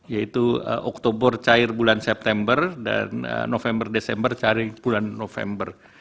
yaitu oktober cair bulan september dan november desember cair bulan november